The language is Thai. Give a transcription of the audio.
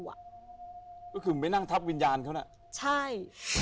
ก็คือไม่นั่งทับวิญญาณเขาน่ะใช่